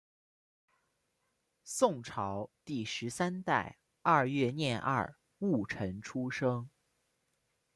宋朝第十三代二月廿二戊辰出生。